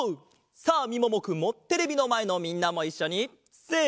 さあみももくんもテレビのまえのみんなもいっしょにせの！